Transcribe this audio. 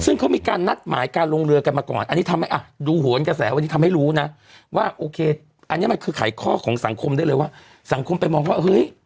ซึ่งเขามีการนัดหมายการลงเรือกันมาก่อนอันนี้ทำให้อ่ะดูโหนกระแสวันนี้ทำให้รู้นะว่าโอเคอันนี้มันคือไขข้อของสังคมได้เลยว่าสังคมไปมองว่าเฮ้ย